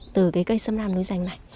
từ cây sâm nam núi rành này